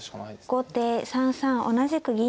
後手３三同じく銀。